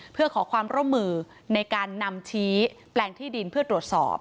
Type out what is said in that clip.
เพื่อขอความร่วมมือในการนำชี้แปลงที่ดินเพื่อตรวจสอบ